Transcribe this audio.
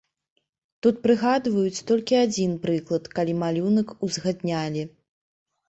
Тут прыгадваюць толькі адзін прыклад, калі малюнак узгаднялі.